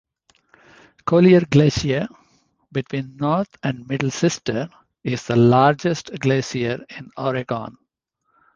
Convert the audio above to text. Collier Glacier, between North and Middle Sister, is the largest glacier in Oregon.